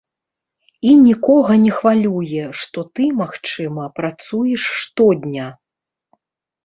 І нікога не хвалюе, што ты, магчыма, працуеш штодня.